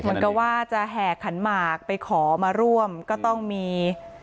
เหมือนกับว่าจะแห่ขันหมากไปขอมาร่วมก็ต้องมี